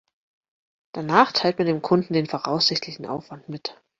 Danach teilt man dem Kunden den voraussichtlichen Aufwand mit.